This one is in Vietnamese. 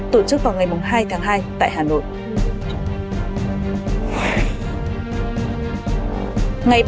tổ chức vào ngày hai tháng hai tại hà nội